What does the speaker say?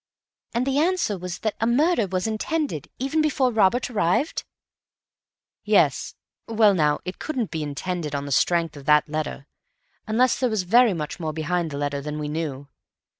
"And the answer was that a murder was intended, even before Robert arrived?" "Yes. Well now, it couldn't be intended on the strength of that letter, unless there was very much more behind the letter than we knew.